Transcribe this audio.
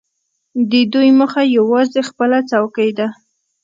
د دوی موخه یوازې خپله څوکۍ ده.